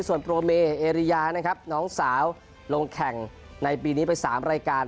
ส่วนโปรเมเอริยานะครับน้องสาวลงแข่งในปีนี้ไป๓รายการ